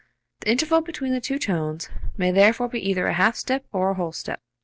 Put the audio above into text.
The interval between the two tones may therefore be either a half step or a whole step.